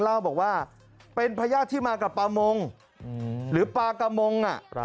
เล่าบอกว่าเป็นพญาติที่มากับปลามงหรือปลากระมง